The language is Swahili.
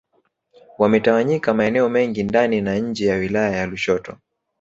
Wametawanyika maeneo mengi ndani na nje ya wilaya ya Lushoto